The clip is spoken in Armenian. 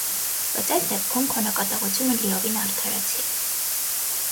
Բայց այս դեպքում քո նկատողությունը լիովին արդարացի է: